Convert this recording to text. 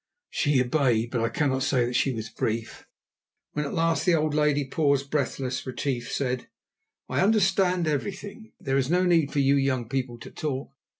She obeyed, but I cannot say that she was brief. When at last the old lady paused, breathless, Retief said: "I understand everything; there is no need for you young people to talk.